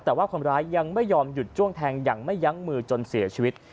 แต่ว่าคนร้ายยังไม่ยอมหยุดจ้วงแทงอย่างไม่ยั้งมือจนเสียชีวิต